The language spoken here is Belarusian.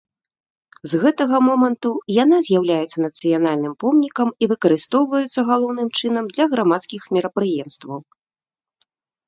З гэтага моманту яна з'яўляецца нацыянальным помнікам і выкарыстоўваецца галоўным чынам для грамадскіх мерапрыемстваў.